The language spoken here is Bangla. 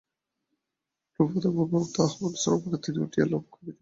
দ্রুপদপুত্রের পূর্বোক্ত আহ্বান-শ্রবণে তিনি উঠিয়া লক্ষ্য বিঁধিবার জন্য অগ্রসর হইলেন।